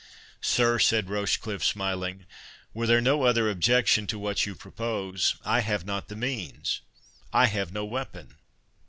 "Sir," said Rochecliffe, smiling, "were there no other objection to what you propose, I have not the means—I have no weapon."